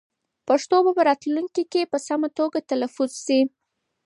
پښتو به په راتلونکي کې په سمه توګه تلفظ شي.